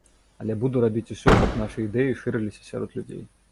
Але буду рабіць усё, каб нашы ідэі шырыліся сярод людзей.